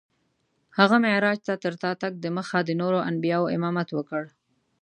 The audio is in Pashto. هغه معراج ته تر تګ دمخه د نورو انبیاوو امامت وکړ.